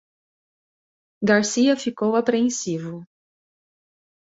Garcia ficou apreensivo.